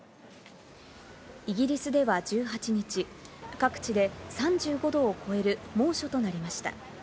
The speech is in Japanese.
イギリスでは１８日、各地で３５度を超える猛暑となりました。